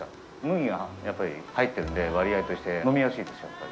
麦が入ってるので、割合として飲みやすいですよ、やっぱり。